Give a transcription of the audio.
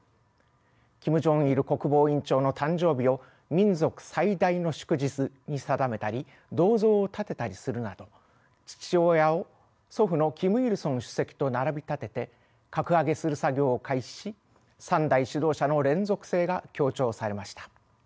キム・ジョンイル国防委員長の誕生日を民族最大の祝日に定めたり銅像を建てたりするなど父親を祖父のキム・イルソン主席と並び立てて格上げする作業を開始し３代指導者の連続性が強調されました。